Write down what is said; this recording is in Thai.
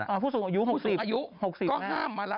อ่าผู้สูงอายุ๖๐นะครับอ่าผู้สูงอายุ๖๐